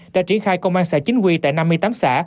đã triển khai công an xã chính quy tại năm mươi tám xã